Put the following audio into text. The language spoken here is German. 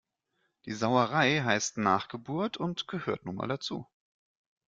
Die Sauerei heißt Nachgeburt und gehört nun mal dazu.